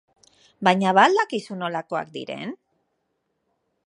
Baina ba al dakizu nolakoak diren?